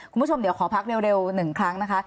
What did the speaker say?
คุณผู้ชมเดี๋ยวขอพักเร็ว๑ครั้งนะคะ